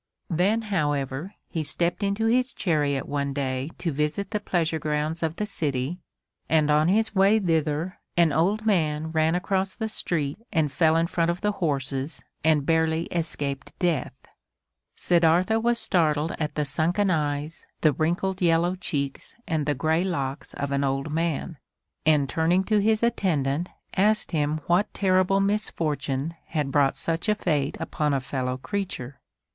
Then, however, he stepped into his chariot one day to visit the pleasure grounds of the city, and on his way thither an old man ran across the street and fell in front of the horses and barely escaped death. Siddartha was startled at the sunken eyes, the wrinkled yellow cheeks and the gray locks of an old man, and turning to his attendant asked him what terrible misfortune had brought such a fate upon a fellow creature.